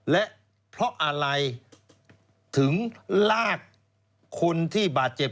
และเพราะอะไรถึงลากคนที่บาดเจ็บ